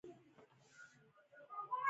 د غوسې پایله تل پښیماني وي.